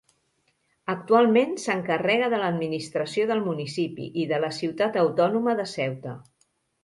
Actualment s'encarrega de l'administració del municipi i de la ciutat autònoma de Ceuta.